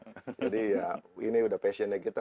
jadi ya ini udah passionnya kita